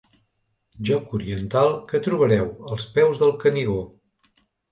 Joc oriental que trobareu als peus del Canigó.